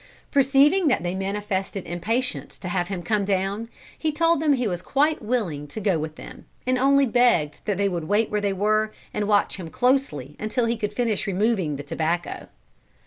"Perceiving that they manifested impatience to have him come down, he told them he was quite willing to go with them, and only begged that they would wait where they were, and watch him closely until he could finish removing the tobacco.